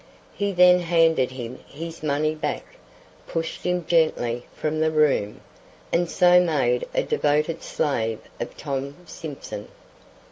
He then handed him his money back, pushed him gently from the room, and so made a devoted slave of Tom Simson.